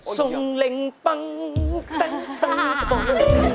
สงเล็งปังตันสังตรงอื่น